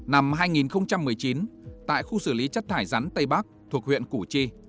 năm hai nghìn một mươi chín tại khu xử lý chất thải rắn tây bắc thuộc huyện củ chi